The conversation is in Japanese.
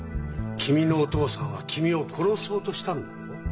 君のお父さんは君を殺そうとしたんだよ。